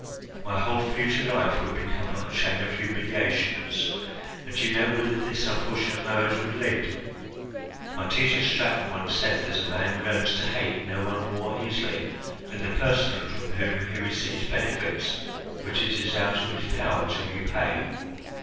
My whole future life would become a chain of humiliations, and do you know whither this unfortunate marriage would lead? My teacher Straton once said that a man learns to hate no one more easily than the person from whom he receives benefits which it is out of his power to repay.